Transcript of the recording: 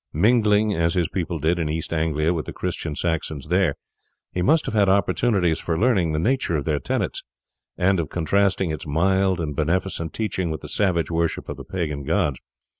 Mingling as his people did in East Anglia with the Christian Saxons there, he must have had opportunities for learning the nature of their tenets, and of contrasting its mild and beneficent teaching with the savage worship of the pagan gods.